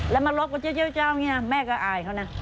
แล้วมาลบกับเจ้าเจ้าเนี่ยแม่ก็อายเขานะ